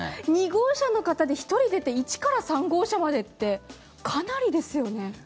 ２号車の方で１人出て１から３号車までってかなりですよね。